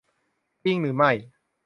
จริงหรือไม่